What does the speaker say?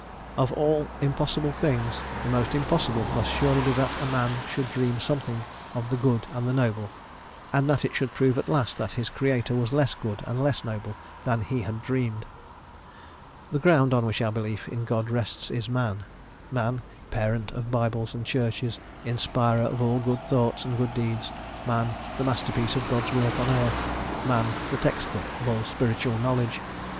"Of all impossible thing, the most impossible must surely be that a man should dream something of the Good and the Noble, and that it should prove at last that his Creator was less good and less noble than he had dreamed."* "The ground on which our belief in God rests is Man. Man, parent of Bibles and Churches, inspirer of all good thoughts and good deeds. Man, the master piece of God's work on earth. Man, the text book of all spiritual knowledge.